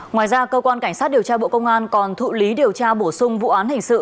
ngoài ra cơ quan cảnh sát điều tra bộ công an còn thụ lý điều tra bổ sung vụ án hình sự